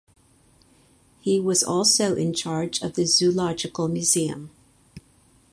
He was also in charge of the Zoological Museum.